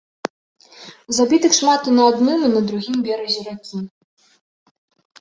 Забітых шмат і на адным і на другім беразе ракі.